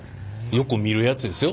よく見るやつですよ